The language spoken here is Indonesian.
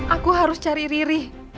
aku harus cari riri